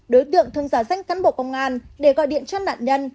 đối tượng thường giả danh cán bộ công an để gọi điện cho nạn nhân